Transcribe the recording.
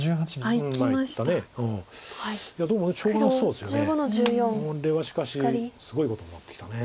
これはしかしすごいことになってきた。